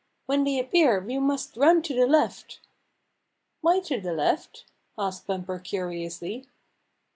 "When they appear we must run to the left." "Why to the left?" asked Bumper curiously.